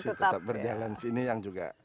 kalau masih tetap berjalan di sini yang juga